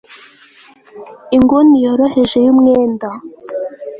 inguni yoroheje yumwenda